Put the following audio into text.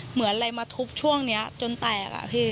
เหมือนอะไรมาทุบช่วงนี้จนแตกอะพี่